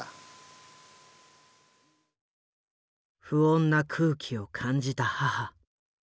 不穏な空気を感じた母。